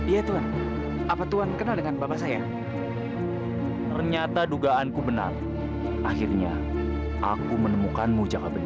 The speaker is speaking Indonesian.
ya tuhan apa tuhan kenal dengan bapak saya ternyata dugaanku benar akhirnya aku menemukanmu jakabani